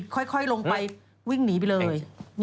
ค่อยลงไปวิ่งหนีไปเลย